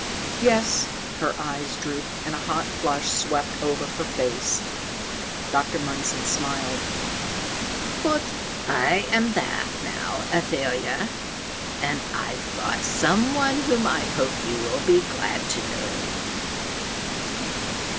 "Yes." Her eyes drooped and a hot flush swept over her face. Dr. Mundson smiled. "But I'm back now, Athalia, and I've brought some one whom I hope you will be glad to know."